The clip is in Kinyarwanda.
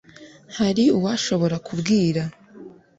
Hari uwashobora kumbwira